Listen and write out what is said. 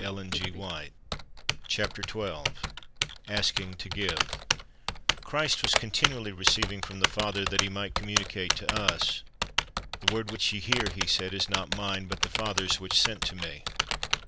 ASKING TO GIVB X' m mf^' Asking to Give /^^HRIST was continually receiving from the Father that He might communicate to us. "The word which ye hear," He said, "is not Mine, but the Father's which sent Me."